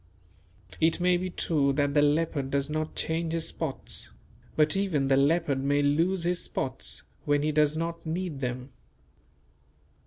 It may be true that the leopard does not change his spots; but even the leopard may lose his spots when he does not need them.